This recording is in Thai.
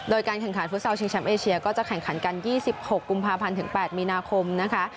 โดยการแข่งขันฟุตซอลชิงแชมป์เอเชียก็จะแข่งขันกัน๒๖กุมภาพันธ์ถึง๘มีนาคมนะคะ